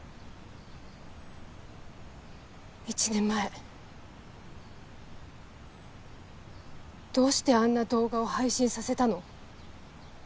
１年前どうしてあんな動画を配信させたの？